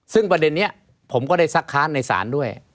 ซึ่งประเด็นนี้ผมก็ได้ซักค้านในศาลด้วย